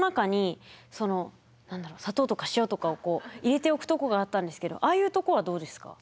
砂糖とか塩とかを入れておくとこがあったんですけどああいうとこはどうですか？